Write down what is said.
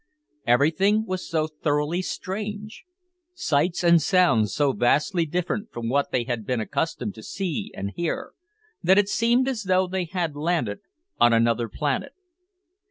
Everything was so thoroughly strange; sights and sounds so vastly different from what they had been accustomed to see and hear, that it seemed as though they had landed on another planet.